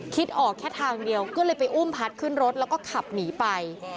คิดออกแค่ทางเดียวก็เลยไปอุ้มพัดขึ้นรถแล้วก็ขับหนีไป